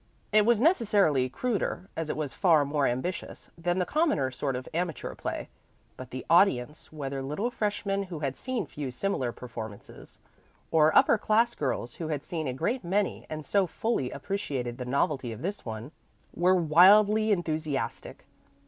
It was necessarily cruder, as it was far more ambitious, than the commoner sort of amateur play; but the audience, whether little freshmen who had seen few similar performances, or upper class girls who had seen a great many and so fully appreciated the novelty of this one, were wildly enthusiastic.